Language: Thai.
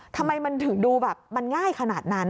ทำไมมันถึงดูแบบมันง่ายขนาดนั้น